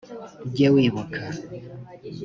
ujye wibuka